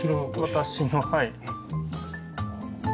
私のはい。